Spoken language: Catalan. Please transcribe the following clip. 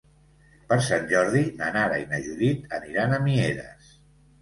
Per Sant Jordi na Nara i na Judit aniran a Mieres.